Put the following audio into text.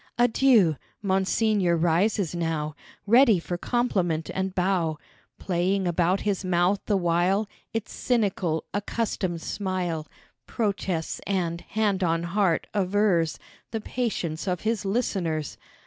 Adieu! Monseigneur rises now Ready for compliment and bow, Playing about his mouth the while Its cynical, accustomed smile, Protests and, hand on heart, avers The patience of his listeners.